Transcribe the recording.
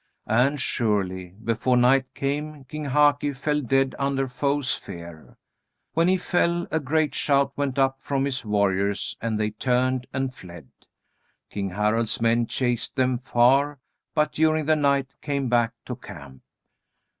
And, surely, before night came, King Haki fell dead under "Foes' fear." When he fell, a great shout went up from his warriors, and they turned and fled. King Harald's men chased them far, but during the night came back to camp.